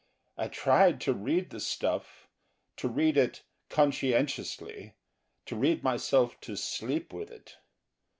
I tried to read the stuff; to read it conscientiously, to read myself to sleep with it.